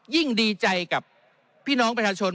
ยิ่งดีใจกับพี่น้องประชาชน